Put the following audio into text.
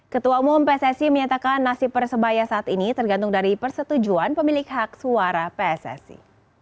ketua umum pssi menyatakan nasib persebaya saat ini tergantung dari persetujuan pemilik hak suara pssi